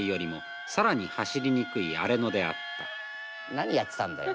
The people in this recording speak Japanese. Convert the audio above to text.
何やってたんだよ。